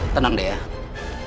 tenang deh ya